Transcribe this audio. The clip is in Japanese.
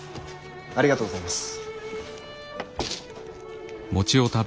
ありがとうございます。